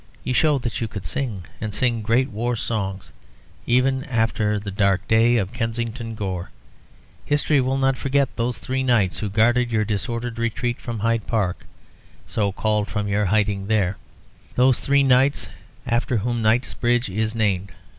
You showed that you could sing, and sing great war songs. Even after the dark day of Kensington Gore, history will not forget those three Knights who guarded your disordered retreat from Hyde Park (so called from your hiding there), those three Knights after whom Knightsbridge is named.